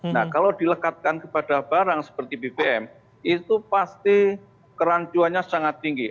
nah kalau dilekatkan kepada barang seperti bbm itu pasti keranjuannya sangat tinggi